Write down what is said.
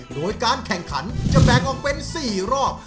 โดยการแข่งขันจะแบ่งออกเป็น๔รอบ